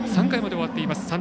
３回まで終わっています。